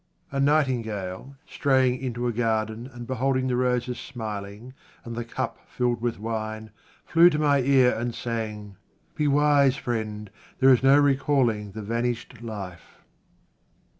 A nightingale, straying into a garden and beholding the roses smiling and the cup filled with wine, flew to my ear and sang, " Be wise, friend : there is no recalling the vanished life."